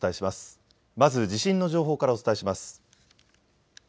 まず地震の情報からお伝えします。